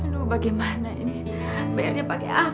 aduh bagaimana ini bayarnya pakai apa